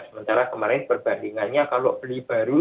sementara kemarin perbandingannya kalau beli baru